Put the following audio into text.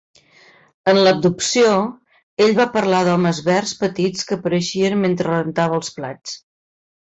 En l'"abducció", ell va parlar d'homes verds petits que apareixien mentre rentava els plats.